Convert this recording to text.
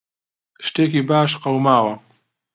شتێکی باش قەوماوە؟